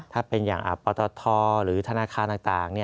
ถ้าเป็นอย่างปตทหรือธนาคารต่าง